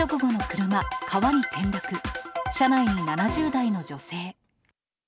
車内に７０代の女性。